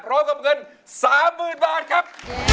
พร้อมกับเงิน๓๐๐๐บาทครับ